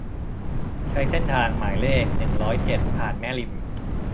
ใช้เส้นทางหมายเลข หนึ่งร้อยเจ็ด ผ่านแม่ริม